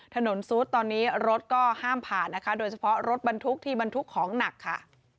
ซุดตอนนี้รถก็ห้ามผ่านนะคะโดยเฉพาะรถบรรทุกที่บรรทุกของหนักค่ะ